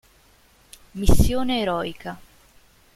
Missione eroica